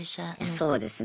そうですね。